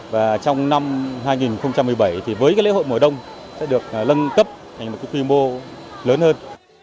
và trong năm hai nghìn một mươi bảy thì với cái lễ hội mùa đông sẽ được lân cấp thành một cái quy mô lớn hơn